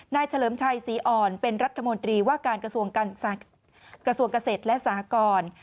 นายเฉลิมชัยศรีอ่อนเป็นรัฐมนตรีว่าการกระสวงการกระเศษและสหกร